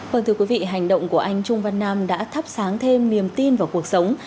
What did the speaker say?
vâng thưa quý vị hành động của anh trung văn nam đã thắp sáng thêm niềm tin vào cuộc sống